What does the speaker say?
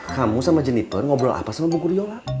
kamu sama jeniper ngobrol apa sama bu guru yola